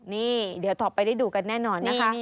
นี่เดี๋ยวต่อไปได้ดูกันแน่นอนนะคะ